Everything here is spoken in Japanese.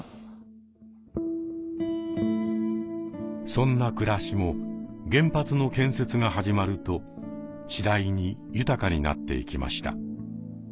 そんな暮らしも原発の建設が始まると次第に豊かになっていきました。